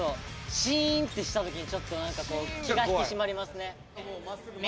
シーンってした時にちょっと気が引き締まりますね。